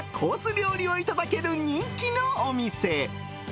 料理をいただける人気のお店。